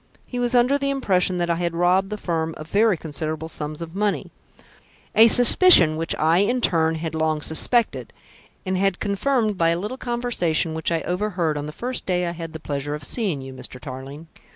He was under the impression that I had robbed the firm of very considerable sums of money a suspicion which I in turn had long suspected, and had confirmed by a little conversation which I overheard on the first day I had the pleasure of seeing you, Mr. Tarling."